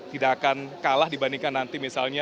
tidak akan kalah dibandingkan nanti misalnya